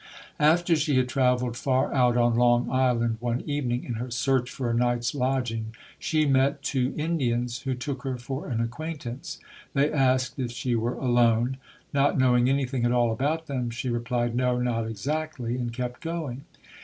After she had traveled far out on Long Island, one evening, in her search for a night's lodging, she met two Indians who took her for an acquaint ance. They asked if she were alone. Not knowing anything at all about them, she replied, "No, not exactly", and kept going.